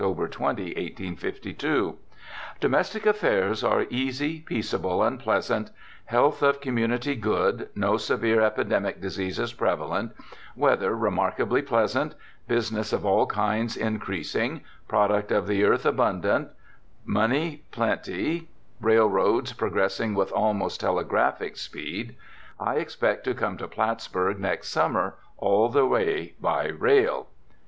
20, 1852 :' Domestic affairs are easy, peaceable, and pleasant. Health of community good— no severe epidemic diseases prevalent — weather remarkably pleasant — business of all kinds increasing— product of the earth abundant — money plenty — railroads progressing with almost tele graphic speed— I expect to come to Pittsburgh next summer all the way by rail.'